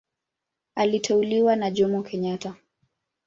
Aliteuliwa na Jomo Kenyatta.